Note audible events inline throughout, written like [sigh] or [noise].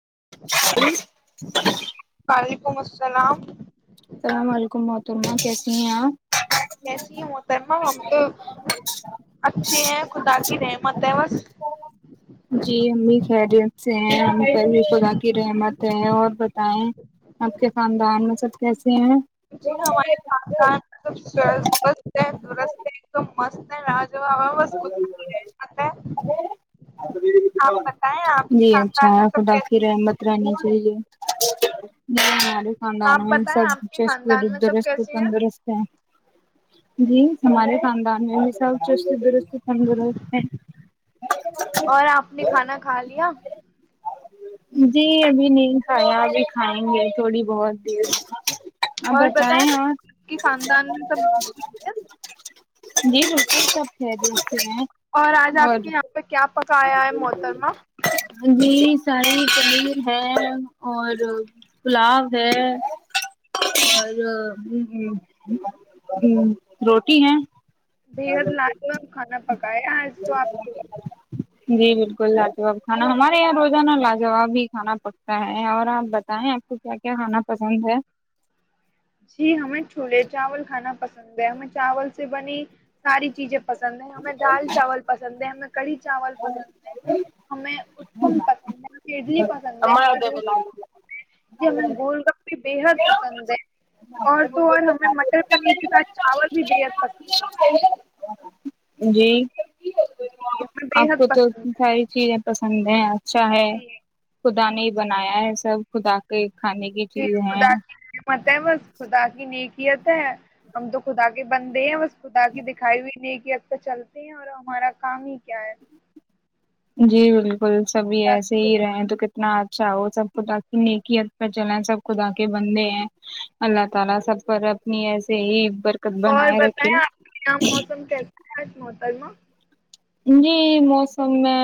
[unintelligible] وعلیکم السلام لسلام علیکم محترما کیسینی ہیں آپ کیسی ہی محترما ہم تو اچھے ہیں خدا کی رحمت ہے بس جی امی خیریت سے ہیں ہم پے بھی خدا کی رحمت ہے اور بتائےیں آپ کے خاندان میں سب کییسے ہیں [unintelligible] [unintelligible] [unintelligible] بس خدا کی رحمت ہے آپ بتائیں آپ کے جی اچھا خاندان ہے میں سب خدا کی کیسے ہیں رحمت رہنی چاہیے [unintelligible] آپ بتائیں آپ کے خاندان میں سب کیسے ہیں [unintelligible] جی ہمارے خاندان میں بھی سب چس درست تندرست ہیں اور آپ نے کھانا کھا لیا جی ابھی نہیں کھایا ابھی کھائیں گے تھوڑی بہت دیر آپ اور بتائیں اور آپ کے خاندان میں سب ٹھیک ہے؟ جی روٹی سب [unintelligible] اور آج آپ کے یہاں پہ کیا پکایا ہے محترمہ ہاں جی یہی سارے پنیر ہے اور پلاؤ ہے اور روٹی ہے بحد لاالو آپ کھانا پکایا آج تو آپ کے جی بالکل لاجواب کھانا ہمارے یہاں روزانہ لاجاب ہی کھانا پکتا ہے اور آپ بتائیں آپ کو کیا کیا کھانا پسند ہے ند ہمیں چاول سے بنی ساری چیزیں پسند ہے ہمیں دال چاول پسند ہے ہمیں کڑھی چاول پسند ہے ہمیں کون پکن اڈلی پسند ہے ہمیںست پس ہے ج ہمیں گول گپپے بےحد پسند ہے اور تو اور ہمیں مٹر پنیر کے ساتھ چاول بھی بےحد پسند ہے جی جی ہمیں آپ بےحد کو تو پسند ہے ساری چیزیں پسند ہ اچھا ہے جی جی خدانی بنایا ہے سب خدا کے کھے کی چیز ہے خدا کی نعمت ہے بس خدا کی نیک ت ہے ہم تو خدا کے بندے ہیں بس تا کہ دکھائی ہوئی نہیں یہ اب تو چلتی ہیں اور ہمارا کام ہی کیا ہے جی بالکل پل سب بھی ایسے الحمد ہی رہے ہیں للہ تو کتنا [unintelligible] اور بنائے رکھے بتائیں آپ یہاں موسم کیس ہیں مو قئیم جی موسم میں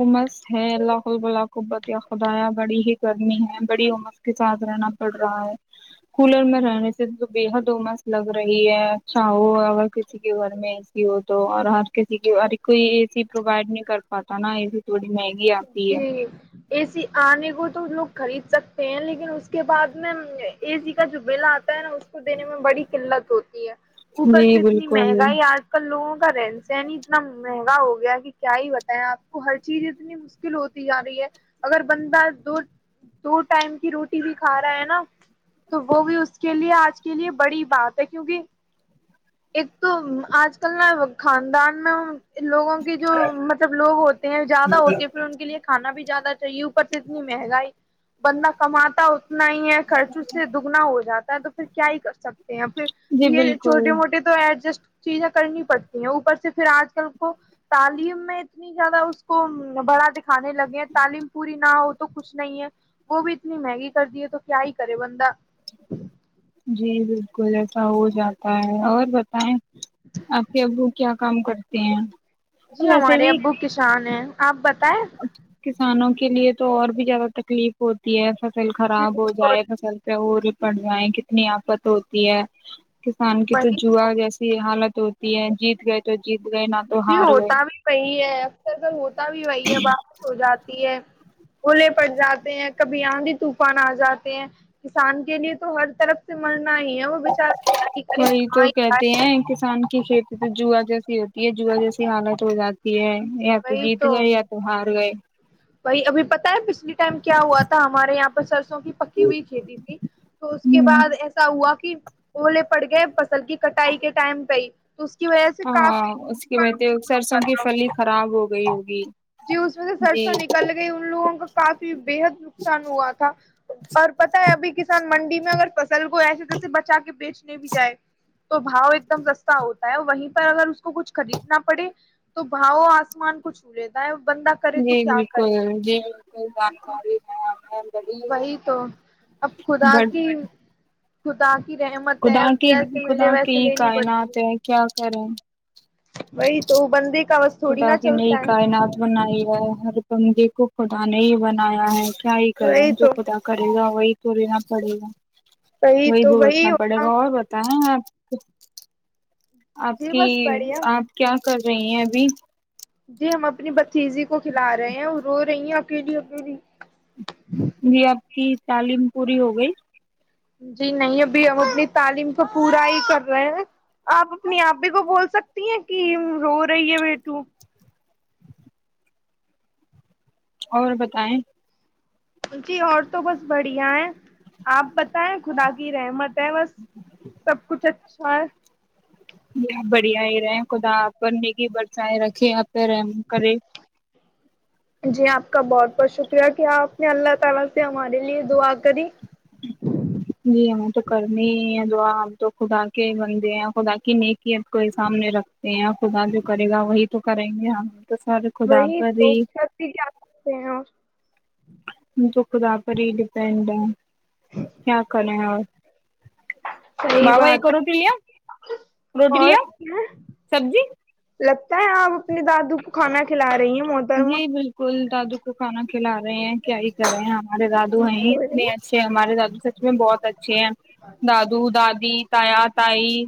عمس اللہبلہب خدایا باری ح گرمی ہے بڑی امس کے ساتھ رہنا پڑ رہا ہے کولر میں رہنے سے بے حد امس لگ رہی ہے اچھا ہو اگر کسی کے گھر میں اے سی ہو تو اور ہر کسی کے ہ کوئی اےی پروائڈ نہیں کر پاتا نا اے سی تھوڑی مہنگی آتی ہے جی ا سی آنے کو تو لوگ خرید سکتے ہیں لیکن اس کے بعد میں اے سی کا جو بل آتا ہے نا اس کو دینے میں بڑی قلت ہوتی ہے اوپر جی سے اتنی بالکل مہنگائی آج کل لوگوں رہن سہن اتنا مہنگا ہو گیا کہ کیا ہی بتائیں آپ کو ہر چیز اتنی مشکل ہوتی جا رہی ہے اگر بندہ دو دو ٹائم کی روٹی بھی کھا رہا ہے نا تو وہ بھی اس کے لیے آج کے لیے بڑی بات ہے کیونکہ ایک تو آج کل نا خاندان میں لوگوں کے جو مطلب لوگ ہوتے ہیں زیادہ ہوتے لیے کھانا بھی زیادہ چاہیے اوپر سے اتنی مہنگائی بندہ کماتا ہو انا ہی ہے خرچ اس سے دگنا ہو جاتا ہے تو پھر کیا ہی کر سکتے ہیں پھر جی یہ بالکل چھوٹے موٹے تو ایڈجسٹ چیزیں کرنی پڑتی ہیں اوپر سے پھر آج کل کو تعلیم میں اتنی زیادہ اس کو بڑا کانے لگے ہیں تعلیم پوری نہ ہوتی تو کچھ نہیں ہے وہ بھی اتنی مہنگی کر دی ہے تو کیا ہی کرے بندہ جی جی جسا ہو جاتا ہے اور ب آپ کے ابو کیا کام کرتے ہیں جی ویسے ہمارے بھی ابو کسان ہیں آپ بتائیں کسانوں کے لیے تو اور بھی زیادہ تکلیف ہوتی ہے ایسا فصل جی خراب ہو جائے بالکل فصل پہ اور پڑ جائیں کتنی آفت ہوتی ہے کسان کی تو جوا جیسی حالت ہوتی ہے جیت گئے تو جیت گئے نہ تو جی ہار گئے ہوتا بھی صی ہے اکثر اگر ہوتا بھی وہی ہے واپس ہو جاتی ہے اولے پٹ جاتے ہیں کبھی آاںد بھی طوفان آ جاتے ہیں کسان کے لیے تو ہر طرف سے مر وہی تو ہی کہتے جائے۔ ہیں کسان کی کھیتی ج تو جو جیسی ہوتی ہے جا جی حالت ہو جاتی ہے یا تو جیت گئے یا تو ہار گئے بھائی ابھی پتا ہے پچھلی ٹائم کیا ہوا تھا ہمارے یہاں پہ سرسوں کی پکی ہوئی کھیتی تھی تو اس کے ہ بعد ایسا ہوا کہ اولے پڑ گئے فصل کی کٹائی کے ٹائم پہ ہی تو اس کی وجہ سے ہاں کافی اس کے بتے نقصان سرسوں ہوا کی تھا۔ پھلی خراب ہوگی ایوگی جی اس میں سے سرسوں نکل گئی ان لوگوں کو کافی بےحد نقصان ہوا تھا اور پتا ہے ابھی کسان منڈی میں اگر پ سل کو ایسے جیسے بچا کے بیچ بھی جائے تو باؤ ایک دم سستا ہوتا ہے وہیں پر اگر اس کو کچھ خریدنا پڑے تو باؤ آسمان کو چھو ل [unintelligible] جی بالکل جی بک جانکاری بڑی وہی تو اب خدا بٹ کی ختا خدا کی خدا کی ہی لینی کائنات پڑتی ہے کیا سرا وہی تو وہ بندے کا بس تھوڑی خدا نہ کے نئی چلتا ہے کائنات بنائی ہے بندی کو خدا نے ہی بنایا ہے ہی وہی کریں جو تو خدا کرے گا وہی توورناا پڑے گا وہی بگتنا پڑے گا اور بتائیں آپ [unintelligible] آپ جی کی بس بڑھیا آپ کیا کر رہی ہیں ابھی جی ہم اپنی ب تیزی کو کھلا رہے ہیں اور روز رہی اگے لی اگے بھی جی آب کی تعلیم پوری ہو گئی جی نہیں ابھی ہم اپنی تعلیم کو پورا ہی کر رہے ہیں آپ اپنی آپے کو بول سکتی ہیں کہ رو رہی ہے بیٹو اور بتائیں جی اور تو بس بڑھیا ہے آپ بتائیں خدا کی رحمت ہے بس سب کچھ اچھا ہے یہ آپ بڑھیا ہی رہے خدا آپ نگی برسائیں رکھے آپ پہ رحم کرے جی اپ کا بہت بہت شکریہ کہ اپ نے اللہ تعالی سے ہمارے لیے دعا کریں جی ہمیں تو کرنی ہی ہے دعا ہم تو خدا کے بندے ہیں خدا کی نیک یت کو سامنے رکھتے ہیں خدا جو کرے گا وہی تو کریں گے ہم تو سارے خدا وہی پر تو ہی س بھی کیا کرتے ہیں اور تو خدا پر ہی ڈیپینڈ ہے کیا کریں صحیح بوا ایک بات ہے روٹی لیا روٹی اور لیا کیا سبزی لگتا ہے آپ اپنے دادو کو کھانا کھلا رہی ہ جی بالکل سادو کو کھانا کھلا رہے ہیں کیا ہی کر رہے ہیں ہمارے دادو ہیں ہی ہو رہی اتنے ہے اچھے ہمارے دادو سچ میں بہت اچھے ہیں دادو دادی تایا تائی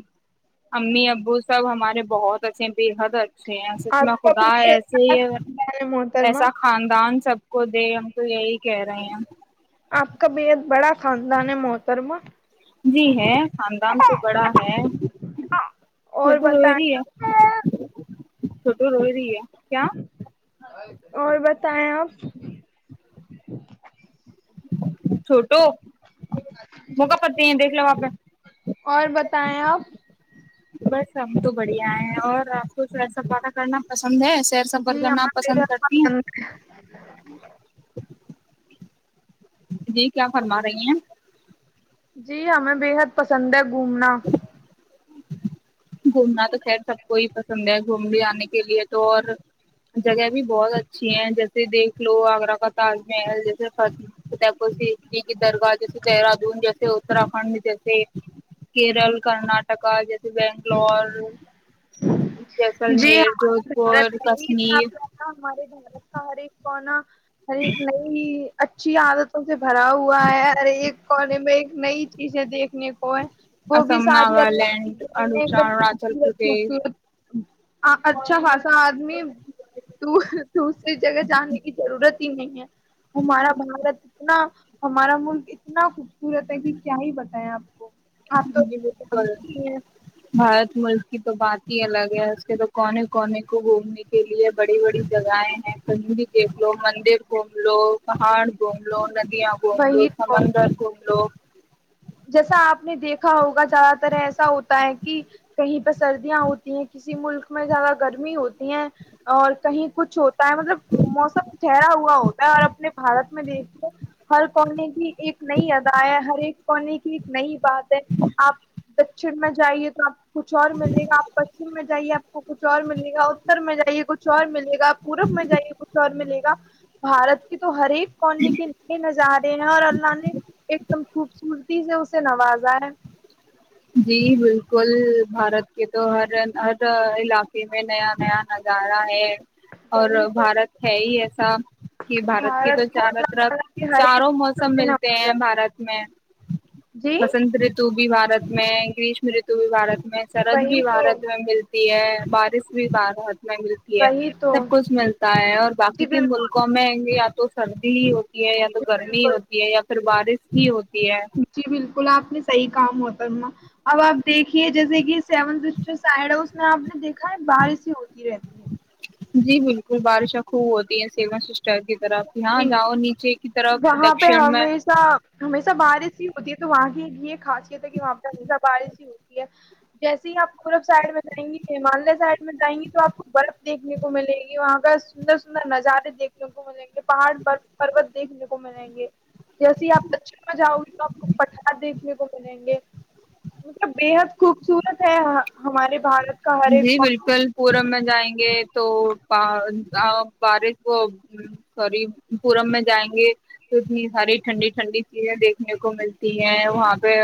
امی ابو سب ہمارے بہت اچھے ہیں بےحد اچھے اچھ سچ میں خدا ایسے ہی مترم [unintelligible] ڈانسب [unintelligible] کو دے ہم کو یہی کہہ رہے ہیں خاندانی محترم جی ہے خاندان تو بڑا ہے اور چھوٹو روہریی ہے بتائیں چھوٹو روہری ہے کیا اور بتائیں آپ چھوٹو موقع پتی ہیں دیکھ لو واپ اور بتائیں آپ بس [unintelligible] ہم تو بڑھیا ہیں اور کچھ ایسااتہ کرنا پند [unintelligible] جی ہمار پ ہیں [unintelligible] جی کیا فرما رہی ہیں جی ہمیں بےحد پسند ہے گھومنا گھومنا تو خیر سب کوئی پسند ہے گھوم بھی آنے کی کے لیے تو اور جگہ بھی بہت اچھی ہیں جیسے دیکھ لو آگرہ کا تاج محل جیسے فتح پور سے اٹلی کی درگاہ جیسے دہرادون جیسے اتراکھنڈ جیسے کیرل کرناٹک جیسے [unintelligible] بینگلور جی جیسلمیر ہمارے جودھ پور بھارت میں ہی اتنا کشمیر اورنا ہر ایک نئی اچھی عادتوں سے بھرا ہوا ہے ہر ایک کونے میں ایک نئی کی جو دیکھنے نے کو وہ بھی اسم ساری الگ ناگالینڈ چیزی ایک دم اروناچل خوبصورت پردیش خوبصورت اچھا خاصا ادمی دوسری جگہ جانے کی ضرورت نہیں ہے ہمارا بھارت اتنا ہمارا ملک اتنا خوبصورت ہے کہ کیا ہی بتائیں آپ اپ تو جانتی ہے بھارت ملک کی تو بات ہی الگ ہے اس کے تو کونے کونے کو گھومنے کے لیے بڑی بڑی جگہیں ہیں کنڈی دیکھ لو مندر گھوم لو پہاڑ گھوم لو ند یاں گھوم لو وہی تو سمندر گھوم لو [unintelligible] جیسا آپ نے دیکھا ہوگا زیادہ تر ایسا ہوتا ہے کہ کہیں پ سردیاں ہوتی ہیں کسی ک ملک میں زیادہ گرمی ہوتی ہے اور کہیں کچھ ہوتا ہے مطلب موسم ٹھہرا ہوا ہوتا ہے اور اپنے بارت میں دیکھ لو حل پنے کی ایک نئی ادائے ہر ایک کی ایک نئی بات ہے آپ دکچن میں جائیے تو آپ کچھ اور ملے گا اپ پچم میں جائیے آپ کو کچھ اور ملے گا اتر میں جائیے کچھ اور ملے گا پورب میں جائیے کچھ اور ملے گا بارت کی تو ہر ایک کونے کے اتنے نظارے ہیں اور اللہ نے ایک دم خوبصورت تی سے اسے نوازا ہے جی بالکل بھارت کے تو ہر ہر علاقے میں نیا نیا نظارہ ہے اور بھارت ہے ہی ایسا کہ بھارت کی تو کو چاروں اللہ تعالی طرف کے ہر ایک چاروں نعمت موسم سے ملتے نوازا ہیں ہے۔ بھارت میں جی بسنت رتو بارت میں گریش ملے تو بھی بارت سرد وہی بھی تو بارت میں ملتی ہے ب [unintelligible] ملتی ہے وہی تو سب کچھ ملتا ہے اور باقی جی کے بالکل ملکوں میں بی آپ تو سردی ہی ہوتی یا تو جی گرمی بالکل ہوتی ہے یا پھر بارش [unintelligible] جی بل کلا آپ میں صحی کام ہوتا اب آپ دیکھیے جیسے کہ سیون س جو سائڈ ہے اس میں آپ نے دیکھا نکھیں باہر سے ہوتی رہتی ہے جی بالکل بارشیں خوب ہوتی ہیں سیا سسٹر طرف یہاں جی جاؤ نیچے کی طرف وہاں پہ دکشن میں ہمیشہ ہمیشہ بارش ہی ہوتی ہے تو وہاں ہی یہ خاصیت ہے کہ وہاں پہ ہسہ بارش ہی ہوتی ہے جیسے ہی آپ پورب سائڈ میں جائیں گے ہمالیہ سائڈ میں جائیں گی تو آپ کو برف دیکھنے کو ملے گی وہاں کا سندر سندر نظارے دھنے کو مے پہاڑ پر پروت دیکھنے کو ملیں گے جیسے ہی آپ دن میں جاؤ گی تو آپ کو پٹھار دیکھنے کو ملیں گے مطلب بےحد خوبصورت ہے ہمارے بھارت کا ہر ایک جی کون بالکل پورم میں جائیں گے تو بارش وہ سوری پورم میں جائیں گے تو اتنی ساری ٹھنڈی ٹھنڈی چیزیں دیکھنے کو ملتی ہیں وہاں پہ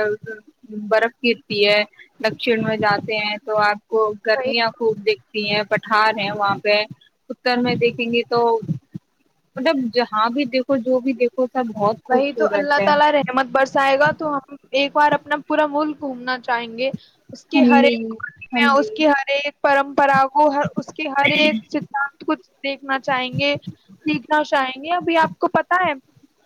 برف گرتی ہے دکشن میں جاتے ہیں تو آپ کو کئی گرمیاں خوب دیکھتی ہیں پ ھار ہے وہاں پہ اتر میں دیکھیں گے تو مطلب جہاں بھی دیکھو جو بھی دیکھو سب بہت وہی تو خوبصورت اللہ ہے تعالی رحمت برسائے گا تو ہم ایک بار اپنا پورا ملک گھومنا چاہیں گے اس کے ہم ہر بھی ایک گال ہم میں اس بھی کی ہر ایک پرمپرا کو ہ اس کے ہر ایک سھانت کو دیکھنا چاہیں گے سیکھنا چاہیں گے ابھی آپ کو پت ہے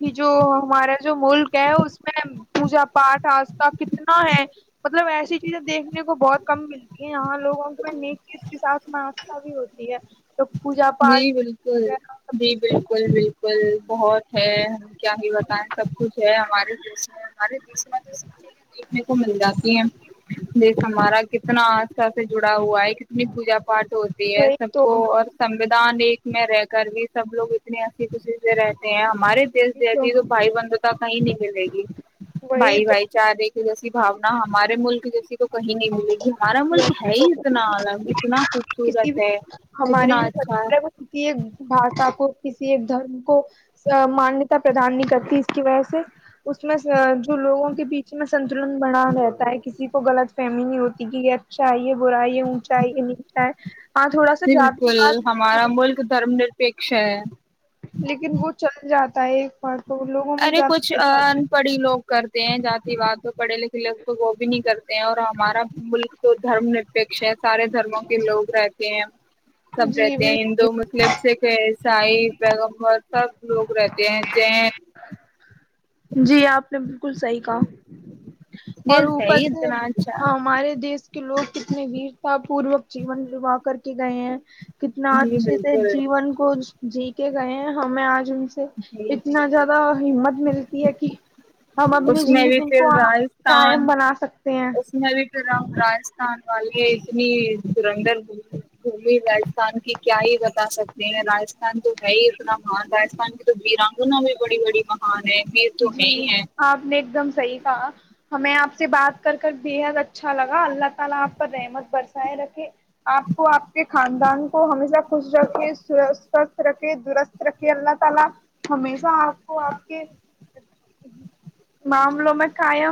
کہ جو ہمارا جو ملک ہے اس میں پوجا پاٹھ آستھا کتنا ہے مطلب ایسا چیزیں دیکھنے کو بہت کم ملتی ہے یہاں لوگوں کے نیکیت کے ساتھ مناسکتا بھی ہوتی ہے تو پوجا پاٹھ جی بالکل وغیرہ سب جی کچھ بالکل بالکل بہت [inaudible] ہے ہم کیا بھی بتائیں سب کچھ ہے ہمارے ج [unintelligible] ہمارے دیش میں تو سب چز دیکھنے کو مل جاتی ہیں دیش ہمارا کتنا سک جڑاؤ ہوا ہے کتنی پوجا پاٹھ ہوتی ہے وہی سب تو کو وہی اور سودان ایک میں رہ کر بھی سب لو اتنی ہسی خوشی سے رہتے ہیں ہم ہمارے دیش دیسی تو بھائی بندتا کہیں نہیں ملے گی وہی بھائی بھائی چارے جیسی باونا ہمارے ملک جیسی تو کہیں نہیں ملے گی ہمارا یا ملک ہے ہی تو اتنا الگ اتنا کسی خوبصورت بھی ہے اتنا ہماری اچھا ہے۔ [unintelligible] بھاشا کو ک [unintelligible] ایک دھرم کو مانتا پردان نہیں کرتی اس کی وجہ سے اس میں جو لوگوں کے بیچ میں بنا رہتا ہے کسی [unintelligible] غط فہمی نہیں ہوتی کہ یہ اچھا ہے یہ برا ہے یہ اونچا ہے یہ نیچا ہے ہاں تھوڑا سا جی جاتی بالکل پات ہمارا ملک دھرم پشا [unintelligible] لیکن وہ چل جاتا [unintelligible] ت پ [unintelligible] ارے کچھ ان پڑھی لوگ کرتے ہیں جات واد [unintelligible] تو پڑے لکھے لےگ تو وہ بھی نہیں کرتے اور ہمارا بھی ملک تو دھرم نرپیھ ہے سارے دھرموں کے لوگ رہتے ہیں سب جی رہتے ہیں ہندو مسلم سائی بیگمبد [unintelligible] سب لوگ رہتے ہیں ج [inaudible] جی آپ نے بالکل صحیح کہا اور یہ اوپر صحیح سے اتنا اچھا ہاں ہمارے دیش کے لوگ کتنے ویرتا پوروک [unintelligible] جیون نواہ کر کے گئے ہیں کتنا جی اچھے سے بالکل جیون کو جی کے گئے ہیں ہمیں آج ان [unintelligible] سے جی جی اتنا زیادہ ہمت میری ج [unintelligible] ہم اپنی اس میں بھی زندگی کو پھر قائم راجستھان بنا سکتے ہیں اس میں بھی [unintelligible] راجستھان والے اتنی سرندر گھمی راستھان کی کیا ہی بتا سکتے ہیں رجستھان تو ہے ہی اتنا مہان رجستھان کی تو ویرانگنا بھی بڑی بڑی مہان ہے ویر تو ہے جی ہی ہے آپ نے ایک دم صحیح کہا [unintelligible] معاملوں میں قائم